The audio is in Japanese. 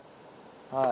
はい。